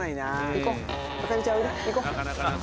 行こう。